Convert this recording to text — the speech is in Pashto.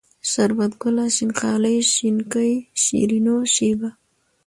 شربت گله ، شين خالۍ ، شينکۍ ، شيرينو ، شېبه